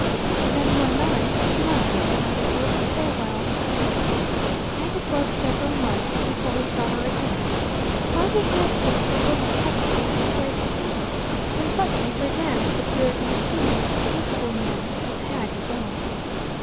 Then one night his mother, without a word of farewell, forsook him, and it was several months before he saw her again. But he had the speckled heifer yet for a companion, when suddenly her dam disappeared in the same inexplicable manner as had his own.